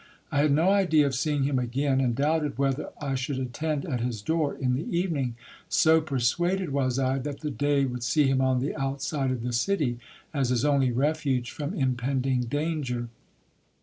I had no idea of seeing him again, and doubted whether I should attend at his door in the evening ; so persuaded was I, that the day would see him on the outside of the city, as his only refuge from impending danger.